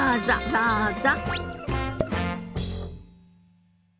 どうぞ。